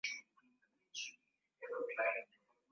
Walimu wamekasirika.